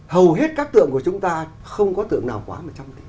hầu hết các tượng của chúng ta không có tượng nào quá một trăm linh tỷ